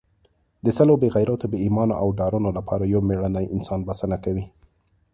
د سلو بې غیرتو، بې ایمانو او ډارنو لپاره یو مېړنی انسان بسنه کوي.